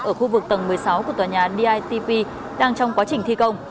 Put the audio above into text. ở khu vực tầng một mươi sáu của tòa nhà ditp đang trong quá trình thi công